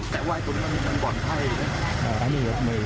แต่ไว้ตรงงานนั้นก่อนให้